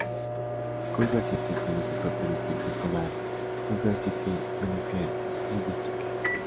Culver City tiene su propio distrito escolar, Culver City Unified School District.